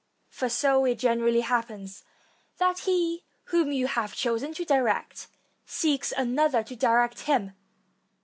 For so it generally happens, that he whom you have chosen to direct, seeks another to direct him.